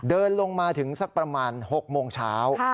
เดินลงมาถึงสักประมาณ๖โมงเช้า